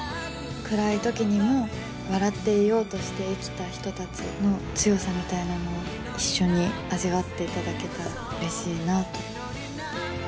暗い時にも笑っていようとして生きた人たちの強さみたいなものを一緒に味わっていただけたらうれしいなと。